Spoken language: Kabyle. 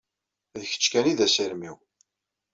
D kečč kan i d asirem-iw.